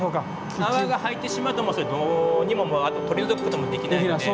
泡が入ってしまうとそれどにももうあと取り除くこともできないので。